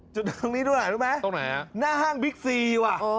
จุดตรงนี้ด้วยรู้ไหมตรงไหนฮะหน้าห้างบิ๊กซีว่ะ